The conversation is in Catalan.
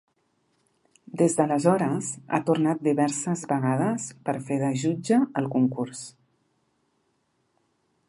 Des d'aleshores, ha tornat diverses vegades per fer de jutge al concurs.